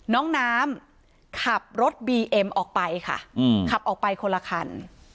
น้องน้ำขับรถบีเอ็มออกไปค่ะขับออกไปคนละคัน